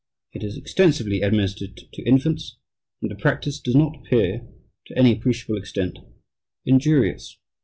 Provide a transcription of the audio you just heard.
It is extensively administered to infants, and the practice does not appear, to any appreciable extent, injurious....